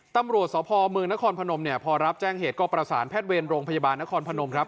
ตำรวจสพเมืองนครพนมเนี่ยพอรับแจ้งเหตุก็ประสานแพทย์เวรโรงพยาบาลนครพนมครับ